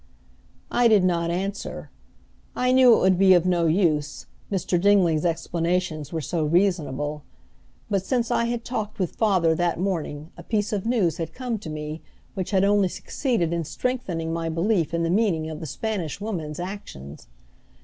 I did not answer; I knew it would be of no use, Mr. Dingley's explanations were so reasonable. But since I had talked with father that morning a piece of news had come to me which had only succeeded in strengthening my belief in the meaning of the Spanish Woman's actions.